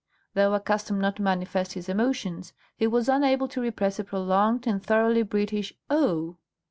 Though accustomed not to manifest his emotions, he was unable to repress a prolonged and thoroughly British "Oh!"